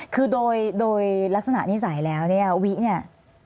คือโดยลักษณะนิสัยแล้วเนี่ยวิเนี่ย